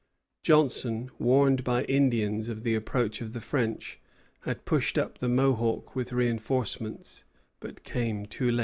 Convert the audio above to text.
Johnson, warned by Indians of the approach of the French, had pushed up the Mohawk with reinforcements; but came too late.